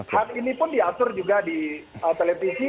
hak ini pun diatur juga di televisi